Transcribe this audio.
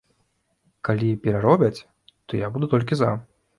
Калі пераробяць, то я буду толькі за.